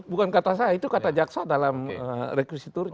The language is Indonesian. bukan kata saya itu kata jaksa dalam rekursi turnya